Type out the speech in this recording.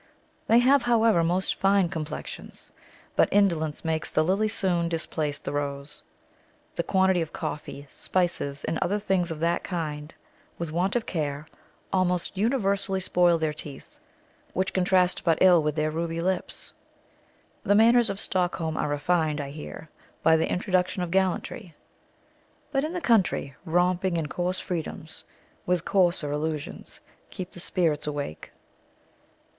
They have, however, mostly fine complexions; but indolence makes the lily soon displace the rose. The quantity of coffee, spices, and other things of that kind, with want of care, almost universally spoil their teeth, which contrast but ill with their ruby lips. The manners of Stockholm are refined, I hear, by the introduction of gallantry; but in the country, romping and coarse freedoms, with coarser allusions, keep the spirits awake.